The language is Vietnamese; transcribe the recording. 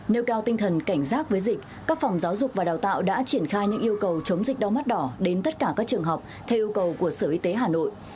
nêu cao tinh thần cảnh giác với dịch các phòng giáo dục và đào tạo đã triển khai những yêu cầu chống dịch đau mắt đỏ đến tất cả các trường học theo yêu cầu của sở y tế hà nội